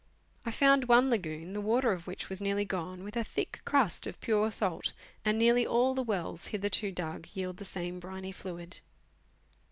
I found one lagoon, the water of which was nearly gone, with a thick crust of pure salt ; and nearly all the wells hitherto dug yield the same briny fluid.